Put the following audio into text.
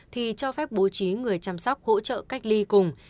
thì cho phép bố trí người chăm sóc hỗ trợ cách ly cùng